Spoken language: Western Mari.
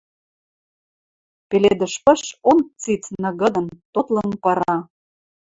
Пеледӹш пыш онг циц ныгыдын, тотлын пыра.